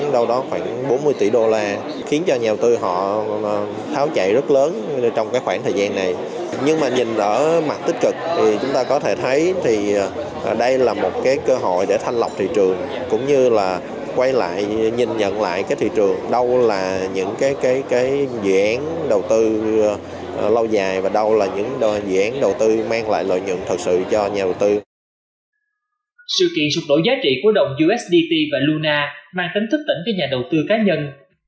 sự kiện sụp đổ giá trị của đồng usdt và luna mang tính thức tỉnh cho nhà đầu tư cá nhân